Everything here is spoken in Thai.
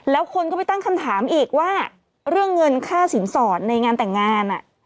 แล้วคนก็ไปตั้งคำถามอีกว่าเรื่องเงินค่าสินสอดในงานแต่งงาน